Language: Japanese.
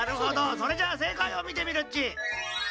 それじゃあせいかいをみてみるっち。